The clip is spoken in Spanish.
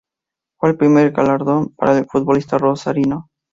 Fue el primer galardón para el futbolista rosarino.